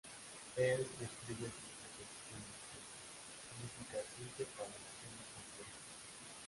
Él describe sus composiciones como "música simple para emociones complejas".